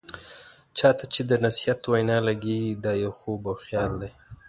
چا ته چې د نصيحت وینا لګیږي، دا يو خوب او خيال دی.